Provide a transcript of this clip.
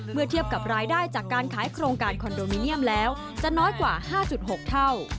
เมื่อเทียบกับรายได้จากการขายโครงการคอนโดมิเนียมแล้วจะน้อยกว่า๕๖เท่า